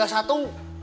wah susah bu